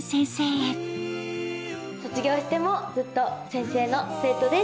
卒業してもずっと先生の生徒です。